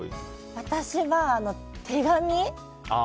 私は手紙。